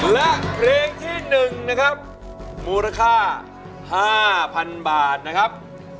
และเพลงที่๑นะครับมูลค่า๕๐๐๐บาทนะครับ